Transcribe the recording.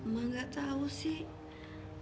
mbak nggak tahu sih